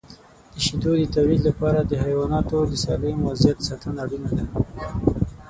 د شیدو د تولید لپاره د حیواناتو د سالم وضعیت ساتنه اړینه ده.